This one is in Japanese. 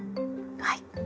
はい。